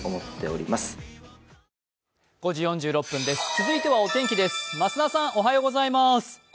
続いてはお天気です。